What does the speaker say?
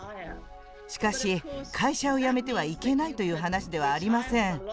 しかし、会社を辞めてはいけないという話ではありません。